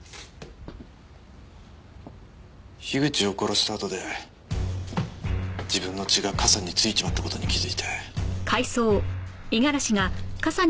口を殺したあとで自分の血が傘についちまった事に気づいて。